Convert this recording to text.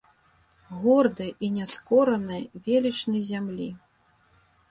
Гордай і няскоранай велічнай зямлі.